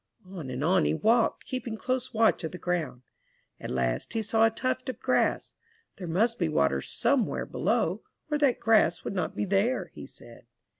'' On and on he walked, keeping close watch of the ground. At last he saw a tuft of grass. 'There must be water somewhere below, or that grass would not be there," he said.